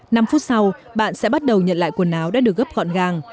năm phút sau bạn sẽ bắt đầu nhận lại quần áo đã được gấp gọn gàng